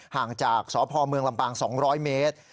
ห่างจากสพเมืองลำปาง๒๐๐เมตร